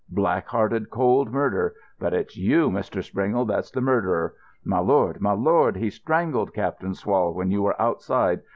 "Black hearted, cold murder; but it's you, Mr. Springle, that's the murderer. My lord, my lord, he strangled Captain Swall when you were outside.